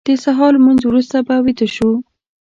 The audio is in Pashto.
د سهار لمونځ وروسته به ویده شو.